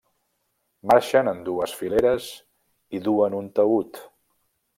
Marxen en dues fileres i duen un taüt.